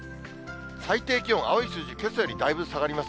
最低気温、青い数字、けさよりだいぶ下がります。